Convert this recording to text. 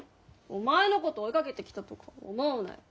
お前のこと追いかけてきたとか思うなよ。